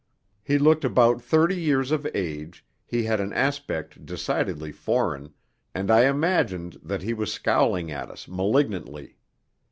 He looked about thirty years of age, he had an aspect decidedly foreign, and I imagined that he was scowling at us malignantly.